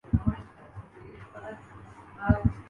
selection committee کا سرفراز کو ئندہ سیریز میں رام دینے کا فیصلہ